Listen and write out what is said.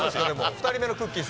２人目のくっきー！